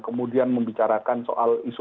kemudian membicarakan soal isu